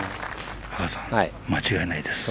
羽川さん間違いないです。